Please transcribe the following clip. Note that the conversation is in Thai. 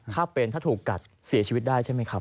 ถ้าเป็นถ้าถูกกัดเสียชีวิตได้ใช่ไหมครับ